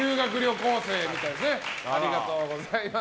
ありがとうございます。